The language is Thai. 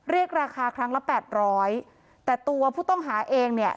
เรียกราคาครั้งละแปดร้อยแต่ตัวผู้ต้องหาเองเนี่ย